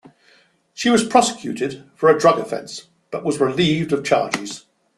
She was prosecuted for a drug offense, but was relieved of charges.